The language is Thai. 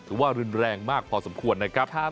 ว่ารุนแรงมากพอสมควรนะครับ